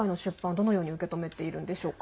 どのように受け止めているんでしょうか？